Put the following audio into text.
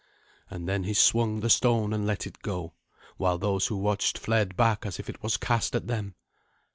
And then he swung the stone and let it go, while those who watched fled back as if it was cast at them.